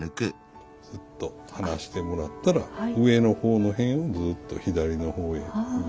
すっと離してもらったら上の方の辺をずっと左の方へ動かして。